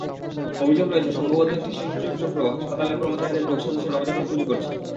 অভিযোগ রয়েছে, সংঘবদ্ধ একটি শিশুচোর চক্র হাসপাতালের কর্মচারীদের যোগসাজশে নবজাতক চুরি করছে।